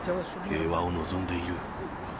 平和を望んでいる。